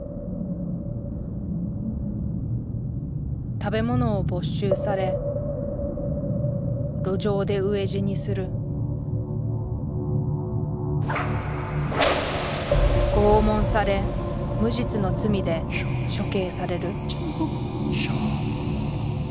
食べ物を没収され路上で飢え死にする拷問され無実の罪で処刑される